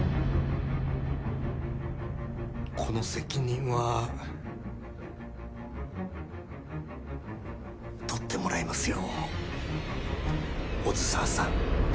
この責任は取ってもらいますよ小豆沢さん。